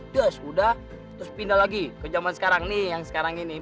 ya sudah terus pindah lagi ke zaman sekarang nih yang sekarang ini